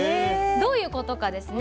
どういうことかですね